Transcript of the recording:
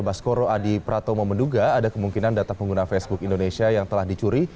baskoro adi pratomo menduga ada kemungkinan data pengguna facebook indonesia yang telah dicuri